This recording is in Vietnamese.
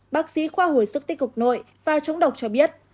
bác sĩ khoa hội sức tích cực nội và chống độc cho biết